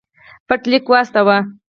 پټ لیک واستاوه.